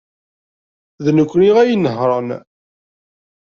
D nekkni ay inehhṛen.